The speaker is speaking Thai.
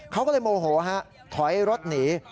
เขาก็เลยโมโหฮะถอยรถหนี